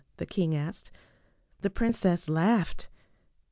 the king asked. The princess laughed.